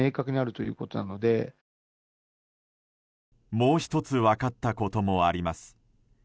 もう１つ分かったこともあります。